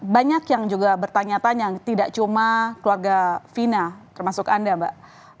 banyak yang juga bertanya tanya tidak cuma keluarga fina termasuk anda mbak